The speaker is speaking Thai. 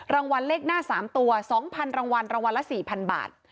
รางวัลเลขหน้า๓ตัว๒๐๐รางวัลรางวัลละ๔๐๐บาท